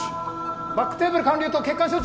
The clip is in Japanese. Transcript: バックテーブル還流と血管処置